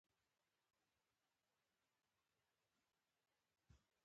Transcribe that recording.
صفت د نوم حالت بدلوي.